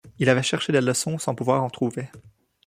Il avait cherché des leçons sans pouvoir en trouver.